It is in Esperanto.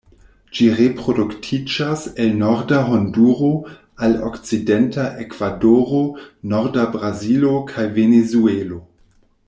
Ĝi reproduktiĝas el norda Honduro al okcidenta Ekvadoro, norda Brazilo kaj Venezuelo.